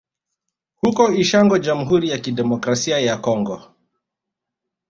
Huko Ishango Jamhuri ya Kidemokrasia ya Kongo